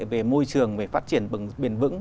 về môi trường về phát triển bền vững